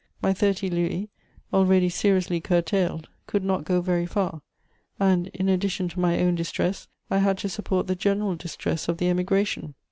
My thirty louis, already seriously curtailed, could not go very far, and, in addition to my own distress, I had to support the general distress of the Emigration.